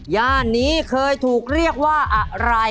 ย่านนี้เคยถูกเรียกว่าอะไร